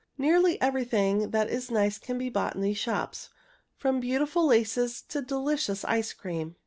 Nearly everything that is nice can be bought in these shops, from beautiful laces to delicious ice cream.